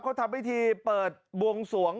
เขาทำพิธีเปิดบวงสวง